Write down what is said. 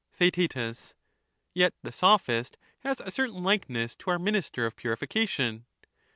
Theaet. Yet the Sophist has a certain likeness'^to our minister of purification.